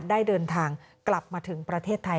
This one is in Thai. ได้เดินทางกลับมาถึงประเทศไทย